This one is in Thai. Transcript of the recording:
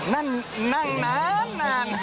นั่นนั่นนั่นนาน